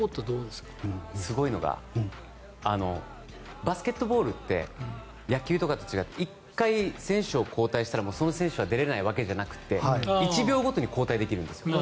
すごいのがバスケットボールって野球とかと違って１回選手を交代したらその選手は出られないわけじゃなくて１秒ごとに交代できるんです。